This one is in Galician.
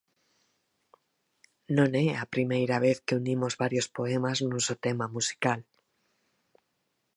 Non é a primeira vez que unimos varios poemas nun só tema musical.